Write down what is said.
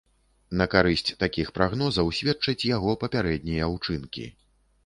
На карысць такіх прагнозаў сведчаць яго папярэднія учынкі.